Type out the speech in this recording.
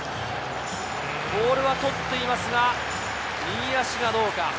ボールは捕っていますが、右足がどうか。